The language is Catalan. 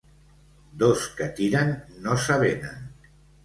Dos que tiren no s'avenen.